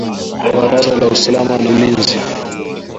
Baraza la usalama na ulinzi